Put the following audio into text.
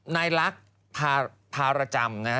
นายลักษณ์พารจำนะฮะ